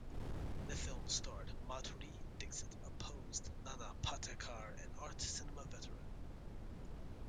The film starred Madhuri Dixit opposite Nana Patekar, an art cinema veteran.